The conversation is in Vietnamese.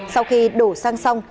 sau khi đổ xăng xong